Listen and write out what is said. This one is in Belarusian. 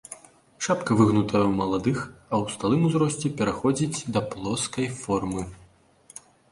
Шапка выгнутая ў маладых, а ў сталым узросце пераходзіць да плоскай формы.